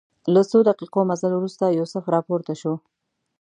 له څو دقیقو مزل وروسته یوسف راپورته شو.